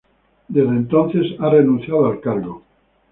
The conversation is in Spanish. Desde entonces, ha renunciado al cargo.